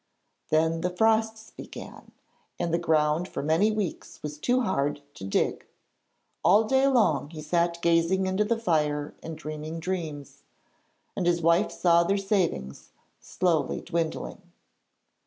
Then the frosts began and the ground for many weeks was too hard to dig. All day long he sat gazing into the fire and dreaming dreams, and his wife saw their savings slowly dwindling.